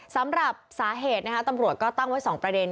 สำหรับสาเหตุตำรวจก็ตั้งไว้๒ประเด็น